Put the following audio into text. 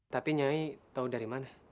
tapi nyai tahu dari mana